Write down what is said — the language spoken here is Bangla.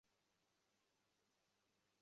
হেই বিলি, এত উত্তেজিত হওয়ার কিছু নেই, বুঝেছ?